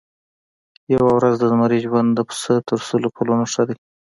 یوه ورځ د زمري ژوند د پسه تر سلو کلونو ښه دی.